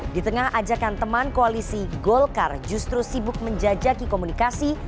di tengah ajakan teman koalisi golkar justru sibuk menjajaki komunikasi